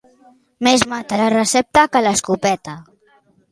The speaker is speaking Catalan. Més mata la recepta que l'escopeta.